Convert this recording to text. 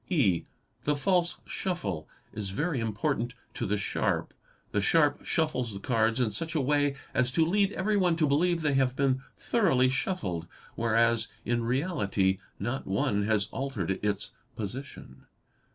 (e) The false shuffle is very important to the sharp. The sharp shuffles the cards in such a way as to lead everyone to believe they have been thoroughly shuffled, whereas in reality not one has altered its position.